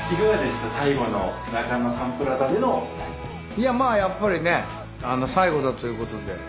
いやまあやっぱりね最後だということで。